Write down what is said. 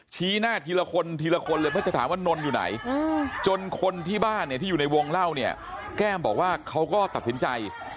ชี้หน้าทีละคนทีละคนเลยเพื่อจะถามว่านนอยู่ไหนจนคนที่บ้านเนี่ยที่อยู่ในวงเล่าเนี่ยแก้มบอกว่าเขาก็ตัดสินใจ